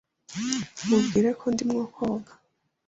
Mubwire ko ndimo koga.